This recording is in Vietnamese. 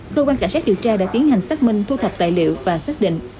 cơ quan cảnh sát điều tra đã tiến hành xác minh thu thập tài liệu và xác định